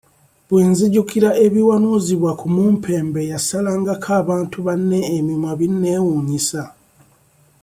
Bwe nzijukira ebiwanuzibwa ku mumpembe eyasalangako bantu banne emimwa bineewuunyisa.